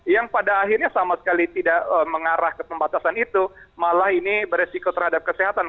yang pada akhirnya sama sekali tidak mengarah ke pembatasan itu malah ini beresiko terhadap kesehatan